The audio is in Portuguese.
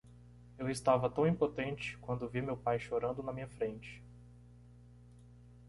Eu estava tão impotente quando vi meu pai chorando na minha frente.